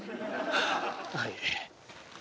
はい。